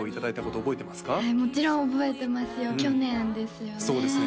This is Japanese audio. はいもちろん覚えてますよ去年ですよね